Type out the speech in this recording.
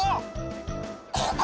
・・ここ！